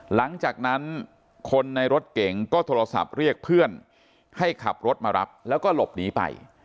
หลังจากนั้นคนในรถเก๋งก็โทรศัพท์เรียกเพื่อนให้ขับรถมารับแล้วก็หลบหนีไป